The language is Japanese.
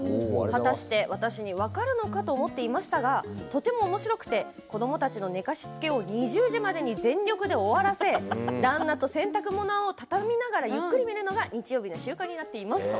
果たして私に分かるのかと思っていましたがとてもおもしろくて子どもたちの寝かしつけを２０時までに全力で終わらせ旦那と洗濯物を畳みながらゆっくり見るのが日曜日の習慣になっています。